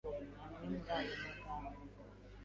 Amwe muri ayo magambo